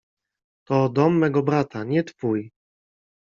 — To dom mego brata, nie twój!